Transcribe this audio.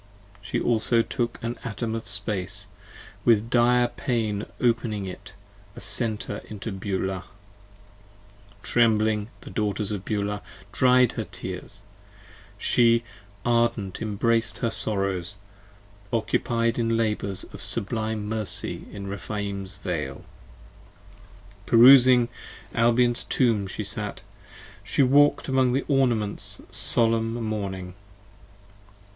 She also took an Atom of Space, with dire pain opening it a Center Into Beulah: trembling the Daughters of Beulah dried 40 Her tears, she ardent embrac'd her sorrows, occupied in labours Of sublime mercy in Rephaim's Vale. Perusing Albion's Tomb She sat: she walk'd among the ornaments solemn mourning.